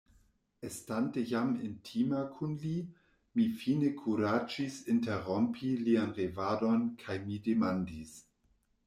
Estante jam intima kun li, mi fine kuraĝis interrompi lian revadon kaj mi demandis: